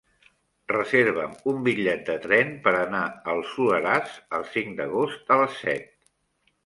Reserva'm un bitllet de tren per anar al Soleràs el cinc d'agost a les set.